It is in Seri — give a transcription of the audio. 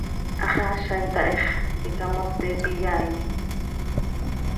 Haxaaza itahíx, icamotet iyaaitim.